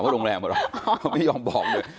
โรงแรมอะไรฮะ